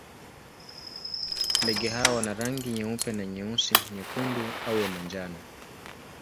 Ndege hawa wana rangi nyeupe na nyeusi, nyekundu au ya manjano.